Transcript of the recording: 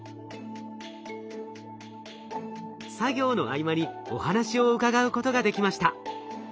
作業の合間にお話を伺うことができました。